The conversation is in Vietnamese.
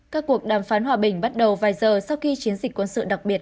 các cuộc đàm phán hòa bình bắt đầu vài giờ sau khi chiến dịch quân sự đặc biệt